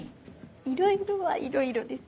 いろいろはいろいろです。